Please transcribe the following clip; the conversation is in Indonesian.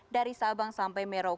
dari sabang sampai merauke